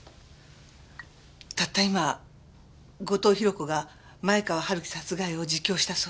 たった今後藤宏子が前川春樹殺害を自供したそうです。